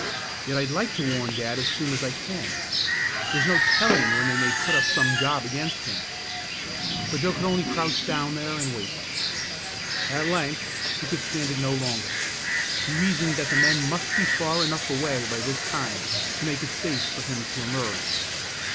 Yet I'd like to warn dad as soon as I can. There's no telling when they may put up some job against him." But Joe could only crouch down there and wait. At length he could stand it no longer. He reasoned that the men must be far enough away by this time to make it safe for him to emerge.